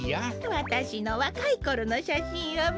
わたしのわかいころのしゃしんをみてたんですよ。